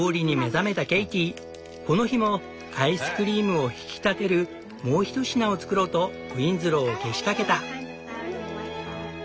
この日もアイスクリームを引き立てるもうひと品を作ろうとウィンズローをけしかけた。